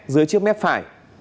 dưới chiếc mép phải